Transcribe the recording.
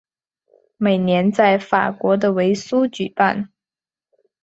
每年在法国的维苏举办。